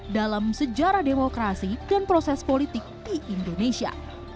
dalam sejarah demokrasi dan proses politik di indonesia